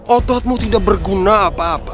ototmu tidak berguna apa apa